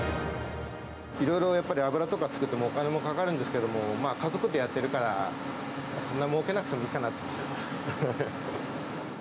いろいろやっぱり油とか作って、お金もかかるんですけれども、まあ、家族でやってるから、そんなもうけなくてもいいかな。